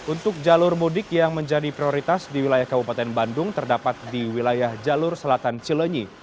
untuk jalur mudik yang menjadi prioritas di wilayah kabupaten bandung terdapat di wilayah jalur selatan cilenyi